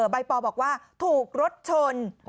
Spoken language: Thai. ปอลบอกว่าถูกรถชน